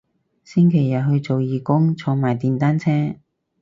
星期日去做義工坐埋電單車